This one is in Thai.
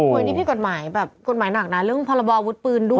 เหมือนที่พี่กฎหมายแบบกฎหมายหนักน่ะเรื่องภาระบอบวุฒิปืนด้วย